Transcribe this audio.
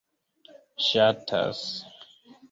ŝatas